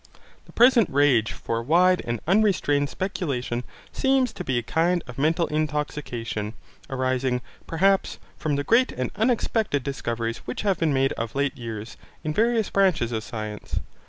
The present rage for wide and unrestrained speculation seems to be a kind of mental intoxication, arising, perhaps, from the great and unexpected discoveries which have been made of late years, in various branches of science.